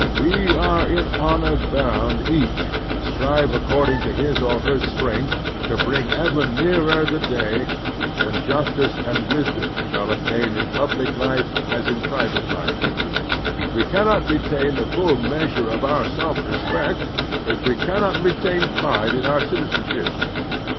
We are in honor botind each to strive according to his or her strength to bring ever nearer the day when justice and wis dom shall obtain in public life as in private life. We cannot retain the full measure of our self respect if we cannot retain pride in our citizenship.